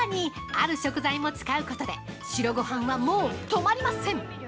ある食材も使うことで白ごはんは、もうとまりません。